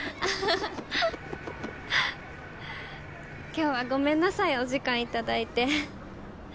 今日はごめんなさいお時間頂いて。